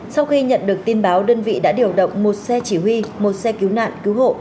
sau khi nhận được tin báo đơn vị đã điều động một xe chỉ huy một xe cứu nạn cứu hộ